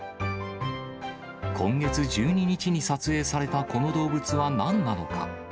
今月１２日に撮影されたこの動物はなんなのか。